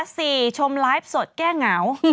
ชมไลฟ์สดแก้เหงา